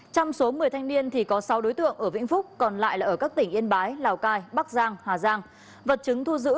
trong số một mươi thanh niên thì có sáu đối tượng ở vĩnh phúc còn lại là ở các tỉnh yên bái lào cai bắc giang hà giang